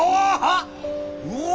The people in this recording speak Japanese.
うわ！